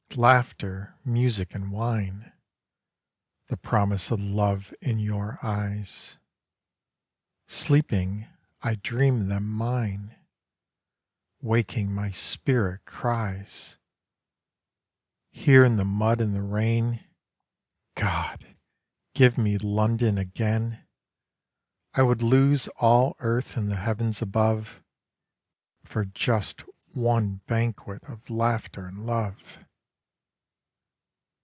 Laughter, music and wine, The promise of love in your eyes ... Sleeping, I dream them mine; Waking, my spirit cries Here in the mud and the rain "God, give me London again! I would lose all earth and the heavens above For just one banquet of laughter and love."